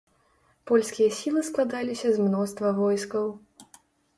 Польскія сілы складаліся з мноства войскаў.